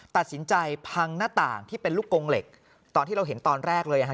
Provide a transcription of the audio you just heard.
ตัดสินใจพังหน้าต่างที่เป็นลูกกงเหล็กตอนที่เราเห็นตอนแรกเลยอ่ะฮะ